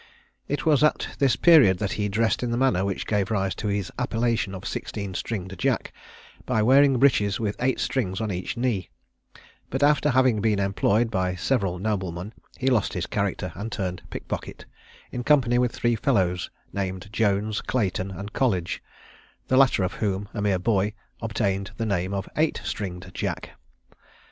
It was at this period that he dressed in the manner which gave rise to his appellation of Sixteen stringed Jack, by wearing breeches with eight strings on each knee; but after having been employed by several noblemen he lost his character, and turned pickpocket, in company with three fellows named Jones, Clayton, and College, the latter of whom, a mere boy, obtained the name of Eight stringed Jack.